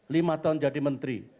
lima tahun jadi menteri